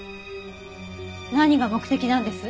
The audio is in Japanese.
何が目的なんです？